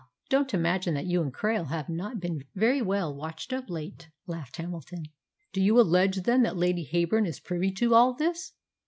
don't imagine that you and Krail have not been very well watched of late," laughed Hamilton. "Do you allege, then, that Lady Heyburn is privy to all this?"